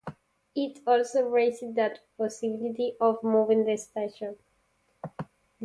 It also raised the possibility of moving the station.